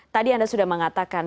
tadi anda sudah mengatakan